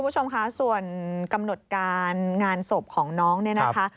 คุณผู้ชมคะส่วนกำหนดการงานศพของน้องเนี่ยนะคะ